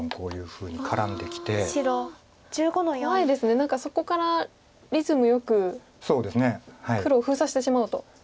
何かそこからリズムよく黒を封鎖してしまおうと。